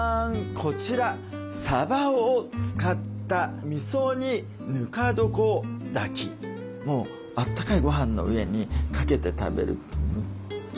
こちらさばを使ったもうあったかいごはんの上にかけて食べるとむちゃくちゃおいしいです。